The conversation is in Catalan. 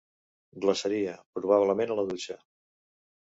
Glaçaria, probablement a la dutxa.